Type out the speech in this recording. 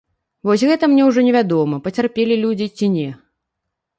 Вось гэта мне ўжо невядома, пацярпелі людзі ці не.